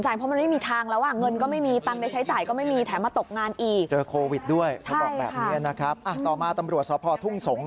ใช่แต่แต่คือเค้าบอกว่าตอนที่ก่อเหตุ